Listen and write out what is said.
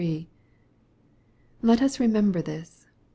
Let us remember this.